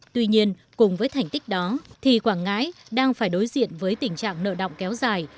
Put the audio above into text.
tuy nhiên cùng với thành tích đó thì quảng ngãi đang phải đối diện với tình trạng nợ động kéo dài